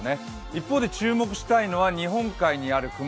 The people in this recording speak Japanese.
一方で注目したいのは日本海にある雲。